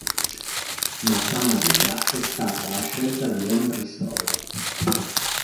Ma Samaria è stata la scelta di Omri solo.